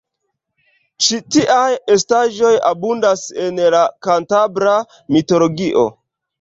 Ĉi tiaj estaĵoj abundas en la kantabra mitologio.